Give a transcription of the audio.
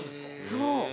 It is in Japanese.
そう。